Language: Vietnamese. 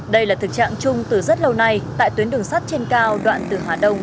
đây là thực trạng chung từ rất lâu nay tại tuyến đường sắt trên cao đoạn từ hà đông